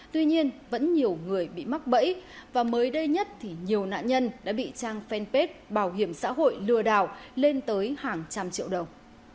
tuy nhiên vẫn nhiều người bị mắc bẫy và mới đây nhất thì nhiều nạn nhân đã bị trang fanpage bảo hiểm xã hội lừa đảo lên tới hàng trăm triệu đồng